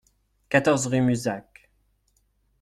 quatorze rue Muzac